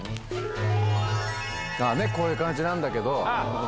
ねっこういう感じなんだけど。